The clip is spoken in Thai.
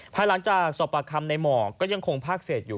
ภายหลังจากศพระคำในห่อยังคงพลักษณ์เสร็จอยู่